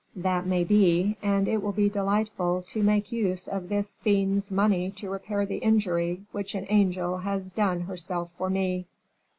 "That may be; and it will be delightful to make use of this fiend's money to repair the injury which an angel has done herself for me."